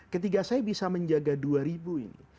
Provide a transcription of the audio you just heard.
ketika saya bisa menjaga dua ribu ini